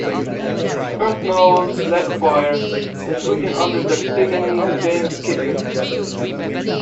His first novel, "Black Fire," was written under the pseudonym James Kidman.